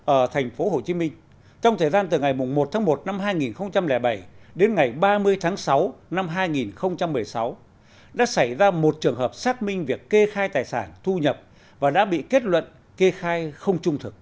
ở tp hcm trong thời gian từ ngày một tháng một năm hai nghìn bảy đến ngày ba mươi tháng sáu năm hai nghìn một mươi sáu đã xảy ra một trường hợp xác minh việc kê khai tài sản thu nhập và đã bị kết luận kê khai không trung thực